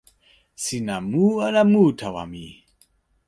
sina mu ala mu tawa mi?